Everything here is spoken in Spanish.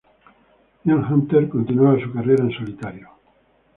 Ian Hunter continúa su carrera en solitario.